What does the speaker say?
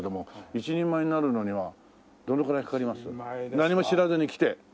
何も知らずに来て。